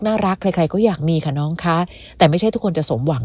รักใครใครก็อยากมีค่ะน้องคะแต่ไม่ใช่ทุกคนจะสมหวัง